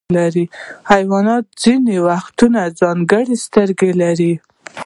حیوانات ځینې وختونه ځانګړي سترګې لري.